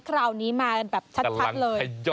คราวนี้มากันแบบชัดเลย